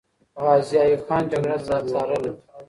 غازي ایوب خان جګړه ځارله.